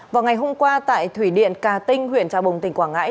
vào ngày hôm qua tại thủy điện cà tinh huyện trà bồng tỉnh quảng ngãi